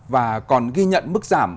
và còn ghi nhận mức giảm